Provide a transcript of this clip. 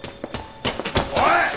おい！